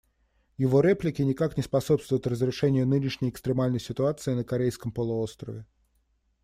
Его реплики никак не способствуют разрешению нынешней экстремальной ситуации на Корейском полуострове.